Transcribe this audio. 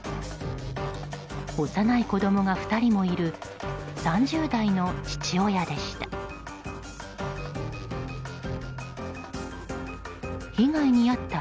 幼い子供が２人もいる３０代の父親でした。